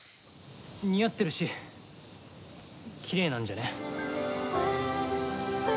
似合ってるしきれいなんじゃね。